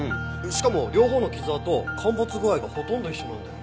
しかも両方の傷痕陥没具合がほとんど一緒なんだよ。